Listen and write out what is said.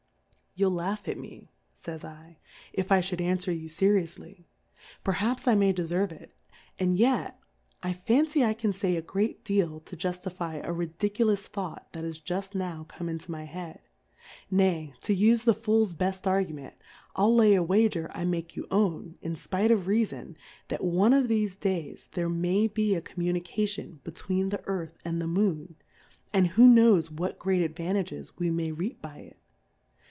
You'll laugh at me, Jays /, if I flhould ai^fwer you feri oufly, perhaps J may deferve it, and yet, I fancy, I can fay a great deal to juftifie a ridiculous Thought that is juft now come into my Head ; nay, to ufe the Fools beft Argument, I'll lay a Wa ger I make you own ( in fpire of Rea fon ) that one of thefe Days there may be a Communication between the Earth and the Moon, and who knows what great Advantages we may reap by it